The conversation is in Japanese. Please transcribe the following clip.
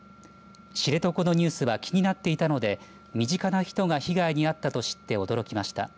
知床のニュースは気になっていたので身近な人が被害にあったと知って驚きました。